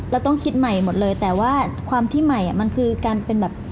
เราต้องคิดใหม่หมดเลยแต่ว่าความที่ใหม่อ่ะมันคือการเป็นแบบ